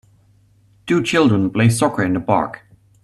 Two children play soccer in the park.